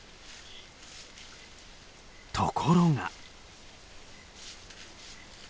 ところが。